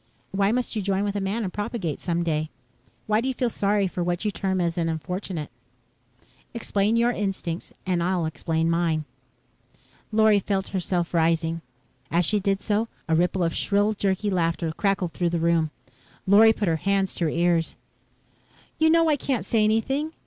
Why must you join with a man and propagate some day? Why do you feel sorry for what you term an unfortunate? Explain your instincts and I'll explain mine." Lorry felt herself rising. Stiffly, she put Baby Newcomb back into his basket. As she did so, a ripple of shrill, jerky laughter crackled through the room. Lorry put her hands to her ears. "You know I can't say anything.